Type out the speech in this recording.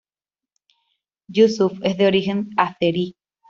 Yusuf es de origen azerí.